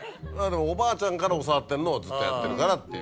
おばあちゃんから教わってるのをずっとやってるからっていう。